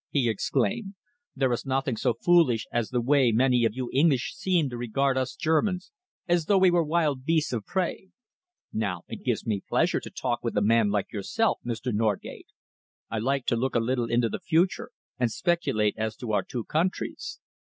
he exclaimed. "There is nothing so foolish as the way many of you English seem to regard us Germans as though we were wild beasts of prey. Now it gives me pleasure to talk with a man like yourself, Mr. Norgate. I like to look a little into the future and speculate as to our two countries.